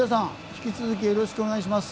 引き続きよろしくお願いします。